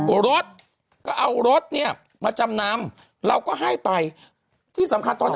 รถก็เอารถเนี้ยมาจำนำเราก็ให้ไปที่สำคัญตอน